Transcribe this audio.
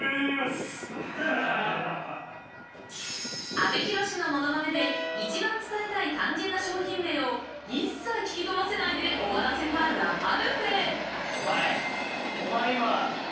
［阿部寛の物まねで一番伝えたい肝心な商品名を一切聞き取らせないで終わらせたラパルフェ］